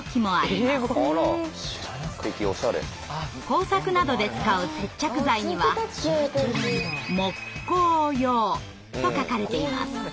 工作などで使う接着剤には「もっこーよー」と書かれています。